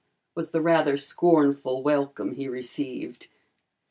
was the rather scornful welcome he received.